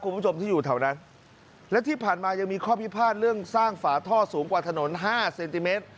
คุณผู้ชมที่อยู่แถวนั้นและที่ผ่านมายังมีข้อพิพาทเรื่องสร้างฝาท่อสูงกว่าถนนห้าเซนติเมตร